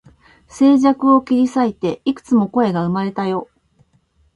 静寂を切り裂いて、幾つも声が生まれたよ